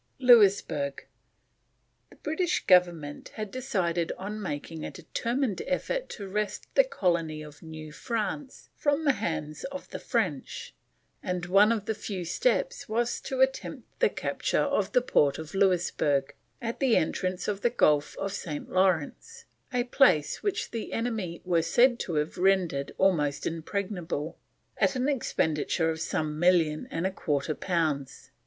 LOUISBERG. The British Government had decided on making a determined effort to wrest the Colony of New France from the hands of the French, and one of the few steps was to attempt the capture of the port of Louisburg, at the entrance to the Gulf of St. Lawrence; a place which the enemy were said to have rendered almost impregnable at an expenditure of some million and a quarter pounds.